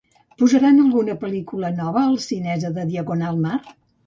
Posaran alguna pel·lícula nova al Cinesa de Diagonal Mar?